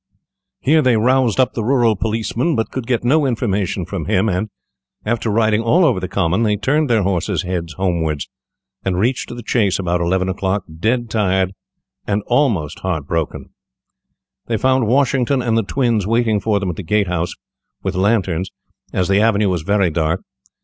Here they roused up the rural policeman, but could get no information from him, and, after riding all over the common, they turned their horses' heads homewards, and reached the Chase about eleven o'clock, dead tired and almost heart broken. They found Washington and the twins waiting for them at the gate house with lanterns, as the avenue was very dark.